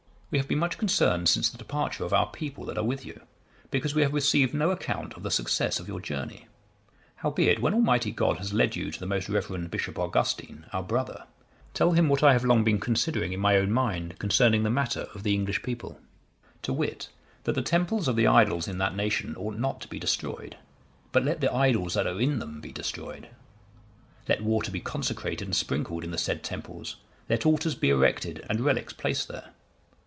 _ We have been much concerned, since the departure of our people that are with you, because we have received no account of the success of your journey. Howbeit, when Almighty God has led you to the most reverend Bishop Augustine, our brother, tell him what I have long been considering in my own mind concerning the matter of the English people; to wit, that the temples of the idols in that nation ought not to be destroyed; but let the idols that are in them be destroyed; let water be consecrated and sprinkled in the said temples, let altars be erected, and relics placed there.